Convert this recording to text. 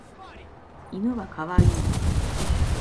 犬は可愛い。